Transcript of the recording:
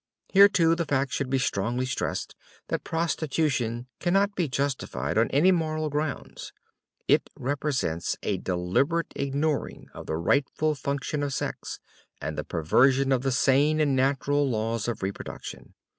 Here, too, the fact should be strongly stressed that prostitution cannot be justified on any moral grounds. It represents a deliberate ignoring of the rightful function of sex, and the perversion of the sane and natural laws of reproduction.